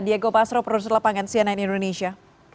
diego basro produser lapangan cnn indonesia